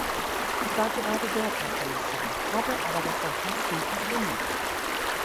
Ich war gerade dort, Herr Kommissar, habe aber davon fast nichts bemerkt.